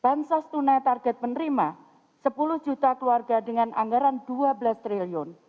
bantuan sosial tunai target menerima sepuluh juta keluarga dengan anggaran rp dua belas triliun